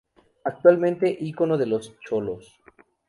Actualmente icono de los cholos.